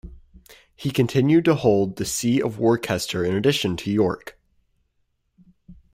He continued to hold the see of Worcester in addition to York.